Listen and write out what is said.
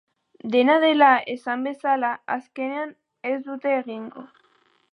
Dena dela, esan bezala, azkenean ez dute egingo.